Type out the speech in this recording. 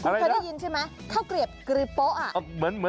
คุณเคยได้ยินใช่ไหมข้าวเกลียบกรีโป๊ะ